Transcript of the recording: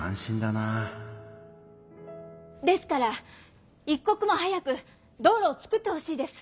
ですからいっこくも早く道路をつくってほしいです！